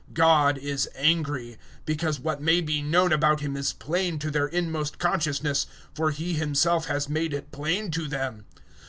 God is angry: 001:019 because what may be known about Him is plain to their inmost consciousness; for He Himself has made it plain to them.